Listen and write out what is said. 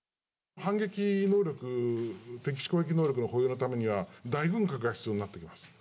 反撃能力、敵基地攻撃能力の保有のためには、大軍拡が必要になってきます。